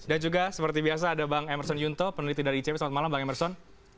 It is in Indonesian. dan juga seperti biasa ada bang emerson yunto peneliti dari icp selamat malam bang emerson